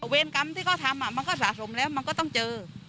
เวรกรรมที่เขาทำมันก็สะสมแล้วมันก็ต้องเจอ